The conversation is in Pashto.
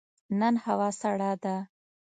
نن هوا سړه ده.